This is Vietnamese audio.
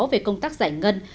về công tác giải ngân